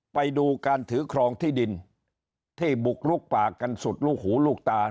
ไปดูการถือครองที่ดินที่บุกลุกป่ากันสุดลูกหูลูกตา